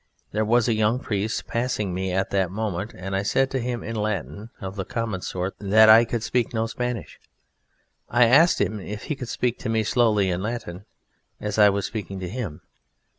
There was a young priest passing me at that moment, and I said to him in Latin of the common sort that I could speak no Spanish. I asked him if he could speak to me slowly in Latin, as I was speaking to him.